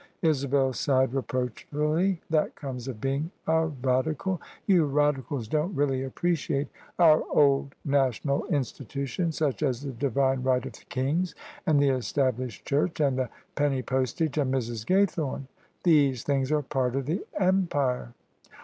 Isabel si^ed reproachfully. "That comes of being a Radical! You Radicals don't really appreciate our old THE SUBJECTION national institutions, such as the Divine Right of kings, and the Established Church, and the Penny Postage, and Mrs. Gaythome. These things are part of the Empire."